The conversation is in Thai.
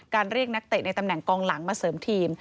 เรียกนักเตะในตำแหน่งกองหลังมาเสริมทีม